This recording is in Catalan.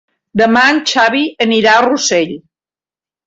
Demà en Xavi anirà a Rossell.